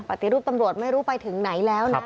ปฏิรูปตำรวจไม่รู้ไปถึงไหนแล้วนะ